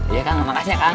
iya kang makasih ya kang